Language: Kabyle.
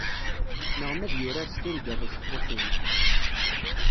Neɣ ma ad yurar s tingaḍ n ucekkuḥ-im.